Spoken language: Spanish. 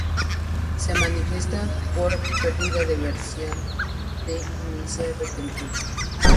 Se manifiesta por perdida de visión de inicio repentino.